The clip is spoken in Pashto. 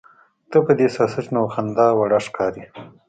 ته په دې ساسچنو خنداوړه ښکارې.